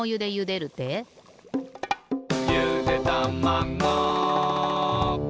「ゆでたまご」